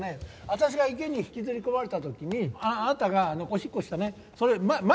私が池に引きずり込まれた時にあなたがおしっこしたねそれ前？